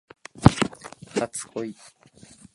初恋